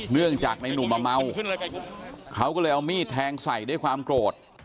เนื่องจากในหนุ่มอ่ะเมาเขาก็เลยเอามีดแทงใส่ด้วยความโกรธ